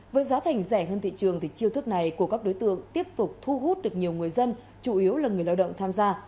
với giá thành rẻ hơn thị trường thì chiêu thức này của các đối tượng tiếp tục thu hút được nhiều người dân chủ yếu là người lao động tham gia